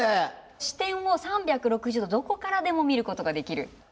視点を３６０度どこからでも見ることができる。